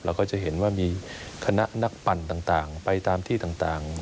ก็จะเห็นว่ามีคณะนักปั่นต่างไปตามที่ต่าง